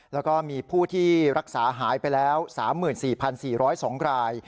แล้วก็มีผู้ที่รักษาหายไปแล้ว๓๔๔๐๒ราย